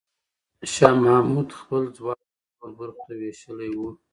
شاه محمود خپل ځواک څلور برخو ته وېشلی و.